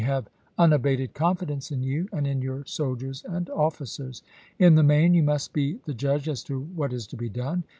have unabated confidence in you, and in your soldiers and officers. In the main you must be the judge as to what is to be done.